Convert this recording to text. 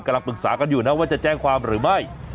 กำลังปรึกษากันอยู่นะว่าจะแจ้งความหรือไม่